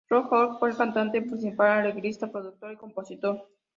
Rolf Köhler fue el cantante principal, arreglista, productor y compositor.